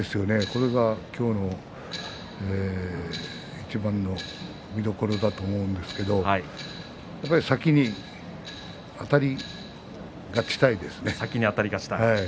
これが今日のいちばんの見どころだと思うんですけれども、やっぱり先にあたり勝ちたいですよね。